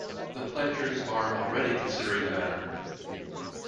The planters are already considering the matter.